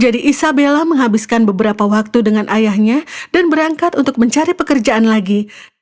jadi isabella menghabiskan beberapa waktu dengan ayahnya dan berangkat untuk mencari pekerjaan lagi